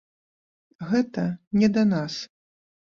Гэта не да нас.